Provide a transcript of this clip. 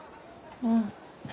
うん。